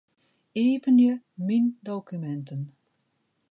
Iepenje Myn dokuminten.